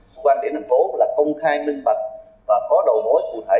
công an để thành phố là công khai minh bạch